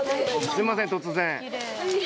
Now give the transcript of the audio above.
すいません突然。